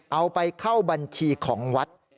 เอาไปเข้าบัญชีของวัด